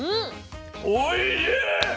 おいしい！